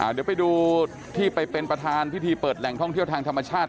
เดี๋ยวไปดูที่ไปเป็นประธานพิธีเปิดแหล่งท่องเที่ยวทางธรรมชาติ